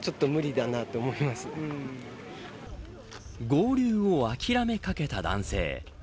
合流を諦めかけた男性。